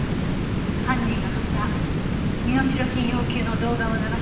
犯人がまた身代金要求の動画を流しました。